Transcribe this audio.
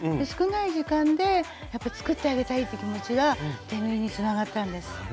少ない時間でやっぱり作ってあげたいっていう気持ちが手縫いにつながったんです。